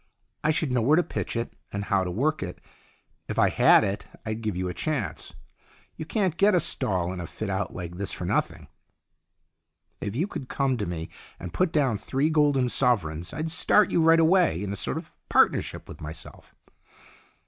I should know where to pitch it, and how to work it. If I had it, I'd give you a chance. You can't get a stall and a fit out like this for nothing. If you could come to me and put down three golden sovereigns, I'd start you right away, in a sort of partnership with myself."